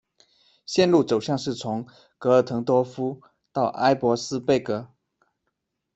线路走向是从格尔滕多夫到埃伯斯贝格。